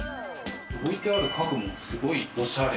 置いてある家具もすごいオシャレ。